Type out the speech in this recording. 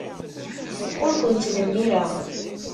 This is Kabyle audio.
Ur ken-ttdemmireɣ.